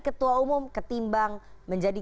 ketua umum ketimbang menjadi